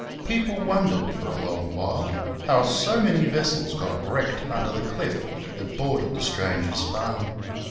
People wondered, for a long while, how so many vessels got wrecked under the cliff that bordered the stranger's farm.